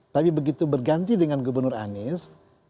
tapi begitu berganti dengan gubernur anies